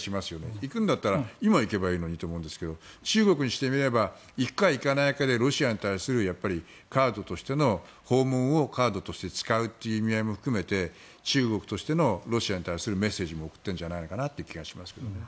行くんだったら今、行けばいいのにと思いますが中国にしてみれば行くか行かないかでロシアに対する、カードとしての訪問を、カードとして使うという意味合いも含めて中国としてのロシアに対するメッセージも送ってるんじゃないかという気がします。